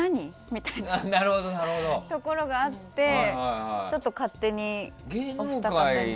みたいなところがあって勝手にお二方に。